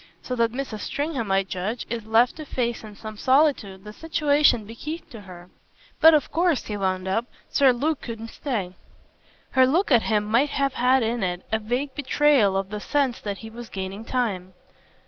So that Mrs. Stringham, I judge, is left to face in some solitude the situation bequeathed to her. But of course," he wound up, "Sir Luke couldn't stay." Her look at him might have had in it a vague betrayal of the sense that he was gaining time.